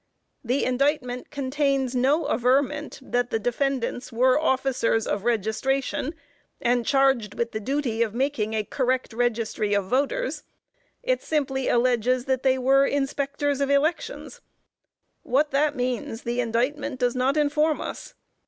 The indictment contains no averment that the defendants were "officers of registration," and charged with the duty of making a correct registry of voters. It simply alleges that they were Inspectors of Elections. What that means, the indictment does not inform us.